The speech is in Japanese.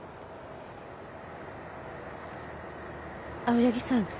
青柳さん